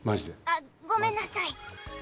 あっごめんなさい！